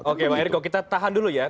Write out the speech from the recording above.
oke pak ericko kita tahan dulu ya